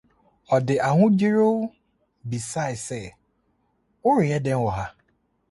Ɔde ahodwiriw bisae sɛ: Woreyɛ dɛn wɔ ha?